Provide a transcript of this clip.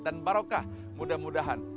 dan barokah mudah mudahan